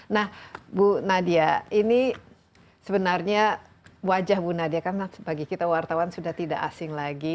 nah bu nadia ini sebenarnya wajah bu nadia kan bagi kita wartawan sudah tidak asing lagi